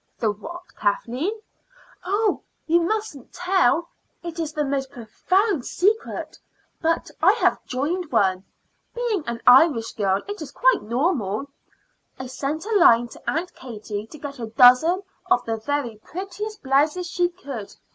"The what, Kathleen?" "Oh, you musn't tell it is the most profound secret but I have joined one. Being an Irish girl, it is quite natural. I sent a line to Aunt Katie to get a dozen of the very prettiest blouses she could.